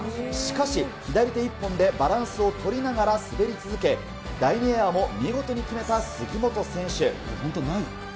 しかし、左手一本でバランスを取りながら滑り続け、第２エアも見事に決めた杉本選手。